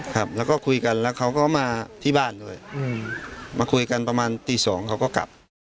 ครับแล้วก็คุยกันแล้วเขาก็มาที่บ้านด้วยมาคุยกันประมาณตีสองเขาก็กลับ